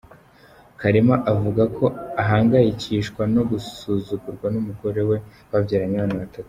Karema avuga ko ahangayikishwa no gusuzugurwa n’umugore we babyaranye abana batatu.